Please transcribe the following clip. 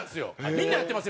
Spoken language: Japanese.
みんなやってます